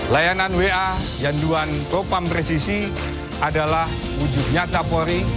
layanan wa yanduan propang prezisi adalah wujudnya tapori